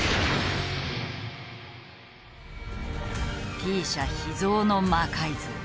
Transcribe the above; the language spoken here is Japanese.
Ｔ社秘蔵の魔改造。